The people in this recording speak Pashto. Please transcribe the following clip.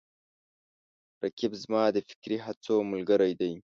رقیب زما د فکري هڅو ملګری دی